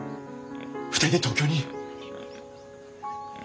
２人で東京に。